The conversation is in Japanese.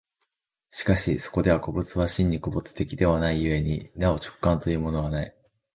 しかしそこでは個物は真に個物的ではない故になお直観というものはない。